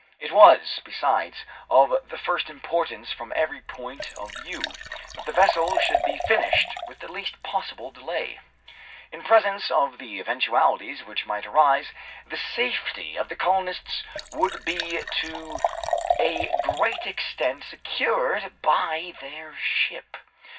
It was, besides, of the first importance from every point of view, that the vessel should be finished with the least possible delay. In presence of the eventualities which might arise, the safety of the colonists would be to a great extent secured by their ship.